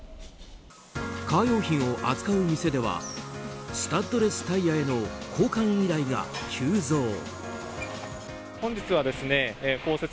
カー用品を扱う店ではスタッドレスタイヤへの交換以来が急増。